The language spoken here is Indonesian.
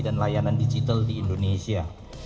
dan layanan digital di indonesia